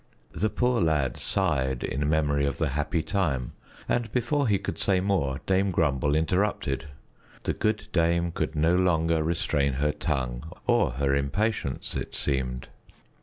The poor lad sighed in memory of the happy time, and before he could say more, Dame Grumble interrupted. The good dame could no longer restrain her tongue or her impatience, it seemed.